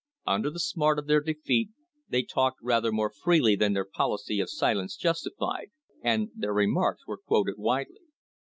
Under the smart of their defeat they talked rather more freely than their policy of silence justified, and their remarks were quoted widely.